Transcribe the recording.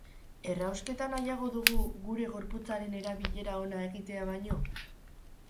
Errausketa nahiago dugu gure gorputzaren erabilera ona egitea baino?